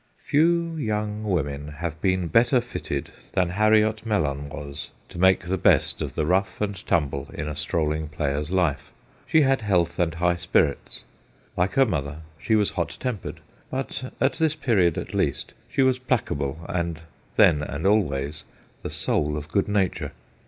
Few young women have been better fitted than Harriot Mellon was to make the best AT THE LANE 209 of the rough and tumble in a strolling player's life. She had health and high spirits. Like her mother, she was hot tempered, but, at this period at least, she was placable and, then and always, the soul of good nature.